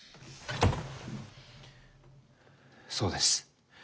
そうです。